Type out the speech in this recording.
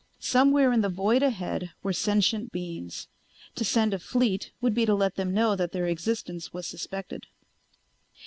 Somewhere in the void ahead were sentient beings. To send a fleet would be to let them know that their existence was suspected.